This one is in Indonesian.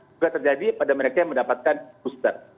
juga terjadi pada mereka yang mendapatkan booster